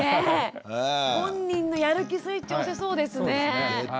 本人のやる気スイッチを押せそうですね。